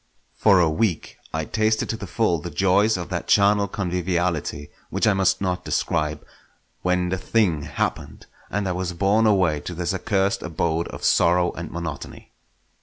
For a week I tasted to the full the joys of that charnel conviviality which I must not describe, when the thing happened, and I was borne away to this accursed abode of sorrow and monotony.